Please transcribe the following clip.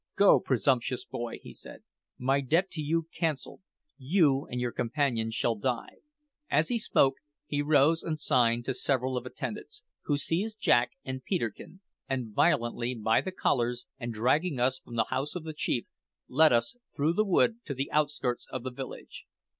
"Go, presumptuous boy!" he said. "My debt to you cancelled. You and your companions shall die!" As he spoke he rose and signed to several of attendants, who seized Jack and Peterkin and violently by the collars, and dragging us from the house of the chief, led us through the wood to the outskirts of the village.